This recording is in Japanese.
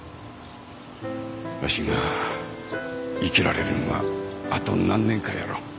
わしが生きられるんはあと何年かやろ。